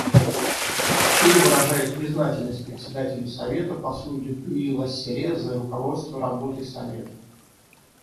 Чили выражает признательность Председателю Совета послу Дюпюи Лассерре за руководство работой Совета.